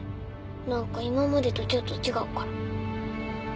何か今までとちょっと違うから。